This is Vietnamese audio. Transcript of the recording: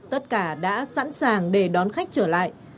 tất cả đã sẵn sàng để đón khách trở lại